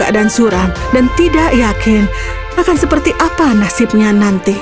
dan tidak yakin akan seperti apa nasibnya nanti